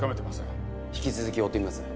引き続き追ってみます。